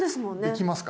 できますか？